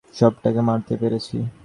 সবকটাকে মারতে পেরেছি?